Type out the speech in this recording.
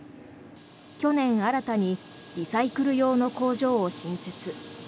去年、新たにリサイクル用の工場を新設。